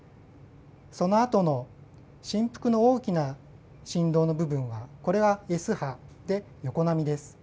そのあとの振幅の大きな振動の部分はこれはＳ波で横波です。